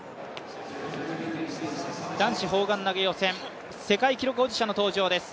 男子砲丸投予選、世界記録保持者の登場です。